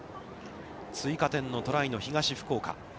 追加点のトライの東福岡。